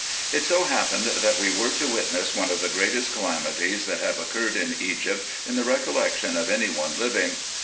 It so happened, that we were to witness one of the greatest calamities that have occurred in Egypt in the recollection of any one living.